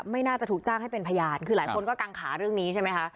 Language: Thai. ไม่น่าจะถูกจ้างให้เป็นพยานคือหลายคนก็กังขาเรื่องนี้ใช่ไหมคะ